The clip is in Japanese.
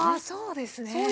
そうですね。